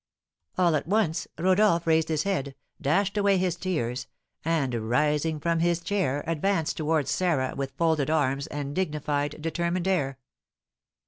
All at once Rodolph raised his head, dashed away his tears, and, rising from his chair, advanced towards Sarah with folded arms and dignified, determined air.